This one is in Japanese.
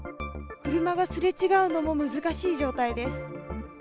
車がすれ違うのも難しい状態です。